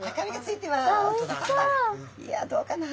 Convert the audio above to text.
いやどうかな？